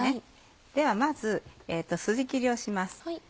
ではまずスジ切りをします。